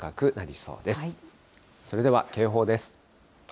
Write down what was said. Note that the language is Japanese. それでは警報です。